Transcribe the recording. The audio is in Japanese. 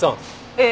ええ。